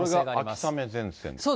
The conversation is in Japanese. これが秋雨前線。